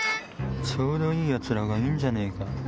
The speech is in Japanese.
ちょうどいいやつらがいるじゃねぇか。